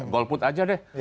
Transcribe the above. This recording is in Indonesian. golput aja deh